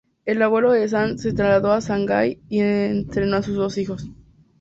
El abuelo de Zhang se trasladó a Shanghai y entrenó a sus dos hijos.